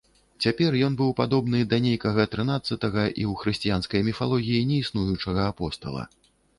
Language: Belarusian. Цяпер ён быў падобны да нейкага трынаццатага і ў хрысціянскай міфалогіі неіснуючага апостала.